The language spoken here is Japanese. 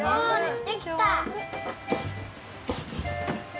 できた！